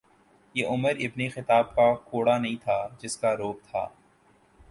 یہ Umar ibn Khattab کا کوڑا نہیں تھا جس کا رعب تھا۔